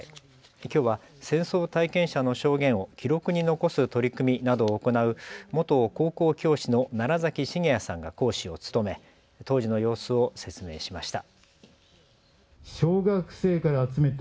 きょうは戦争体験者の証言を記録に残す取り組みなどを行う元高校教師の楢崎茂彌さんが講師を務め当時の様子を説明しました。